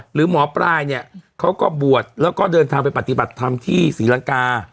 หรือหมอปลายเนี่ยเขาก็บวชแล้วก็เดินทางไปปฏิบัติธรรมที่ศรีลังกา